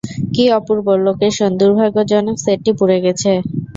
কী অপূর্ব লোকেশন, দুর্ভাগ্যজনক, সেটটি পুড়ে গেছে।